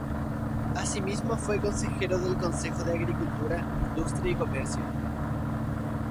Asimismo fue Consejero del Consejo de Agricultura, Industria y Comercio.